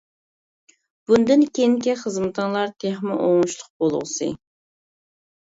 بۇندىن كېيىنكى خىزمىتىڭلار تېخىمۇ ئوڭۇشلۇق بولغۇسى!